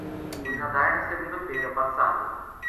Fui nadar na segunda-feira passada.